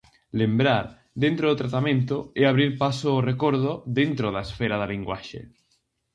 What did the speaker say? Lembrar, dentro do tratamento, é abrir paso ó recordo dentro da esfera da linguaxe.